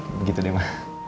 begitu deh ma